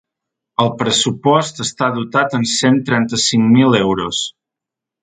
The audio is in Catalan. El pressupost està dotat en cent trenta-cinc mil euros.